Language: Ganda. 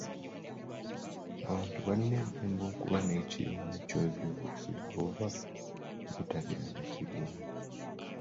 Abantu balina eddembe okuba n'ekibiina ky'ebyobufuzi oba obutabeera na kibiina.